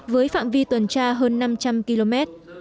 với phạm vi tuần tra hơn năm trăm linh km